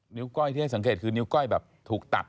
ก้อยที่ให้สังเกตคือนิ้วก้อยแบบถูกตัด